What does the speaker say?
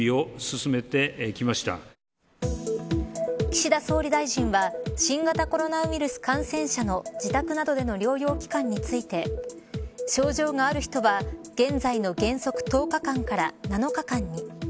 岸田総理大臣は新型コロナウイルス感染者の自宅などでの療養期間について症状がある人は現在の原則１０日間から７日間に。